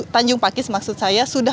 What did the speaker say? tanjung pakis maksud saya